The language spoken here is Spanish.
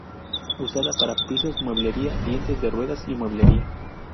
Usada para pisos, mueblería, dientes de ruedas, y mueblería.